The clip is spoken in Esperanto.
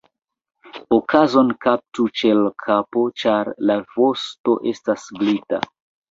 Okazon kaptu ĉe l' kapo, ĉar la vosto estas glita.